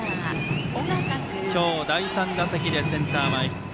今日第３打席でセンター前ヒット。